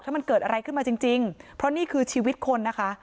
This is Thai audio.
ถ้ามันเกิดอะไรขึ้นมาจริงจริงเพราะนี่คือชีวิตคนนะคะ